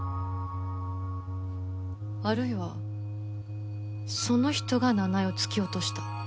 あるいはその人が奈々江を突き落とした。